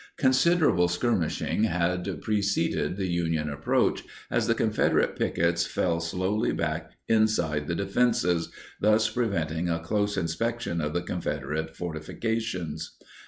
Considerable skirmishing had preceded the Union approach, as the Confederate pickets fell slowly back inside the defenses, thus preventing a close inspection of the Confederate fortifications.